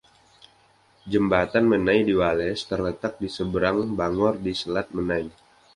Jembatan Menai di Wales terletak di seberang Bangor di Selat Menai.